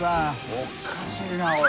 おかしいなこれ。